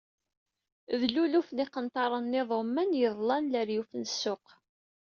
D luluf n yiqenṭaren n yiḍumman yeḍlan leryuf n ssuq.